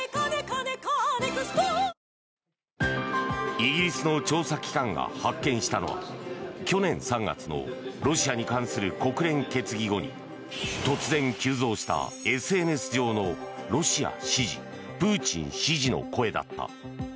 イギリスの調査機関が発見したのは去年３月のロシアに関する国連決議後に突然、急増したＳＮＳ上のロシア支持プーチン支持の声だった。